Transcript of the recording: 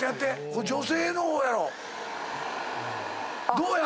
どうや？